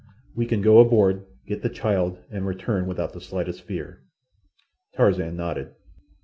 We can go aboard, get the child, and return without the slightest fear." Tarzan nodded.